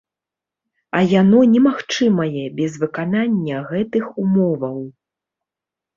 А яно немагчымае без выканання гэтых умоваў.